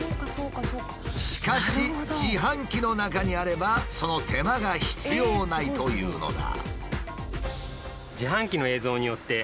しかし自販機の中にあればその手間が必要ないというのだ。